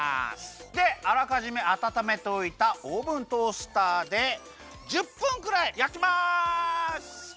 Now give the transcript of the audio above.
であらかじめあたためておいたオーブントースターで１０分くらいやきます！